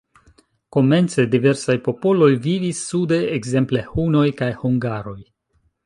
Komence diversaj popoloj vivis sude, ekzemple hunoj kaj hungaroj.